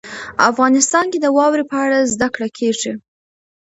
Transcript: افغانستان کې د واوره په اړه زده کړه کېږي.